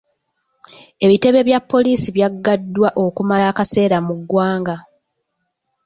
Ebitebe bya poliisi byaggaddwa okumala akaseera mu ggwanga.